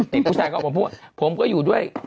ปุ๋ยพุสัยเขาออกมาพูดผมก็อยู่ด้วย